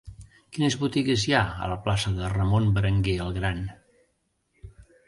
Quines botigues hi ha a la plaça de Ramon Berenguer el Gran?